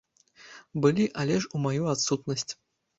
Былі, але ж у маю адсутнасць.